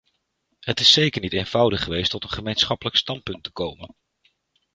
Het is zeker niet eenvoudig geweest tot een gemeenschappelijk standpunt te komen.